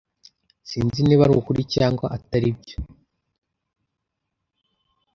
Sinzi niba arukuri cyangwa atari byo.